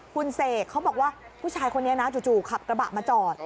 คุณเสกเขาบอกว่าผู้ชายคนนี้นะจู่ขับกระบะมาจอด